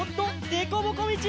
でこぼこみち！